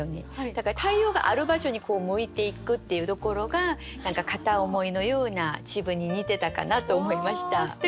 だから太陽がある場所に向いていくっていうところが何か片思いのような自分に似てたかなと思いました。